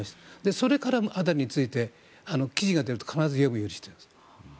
それからアダニについて記事が出ると必ず読むようにしています。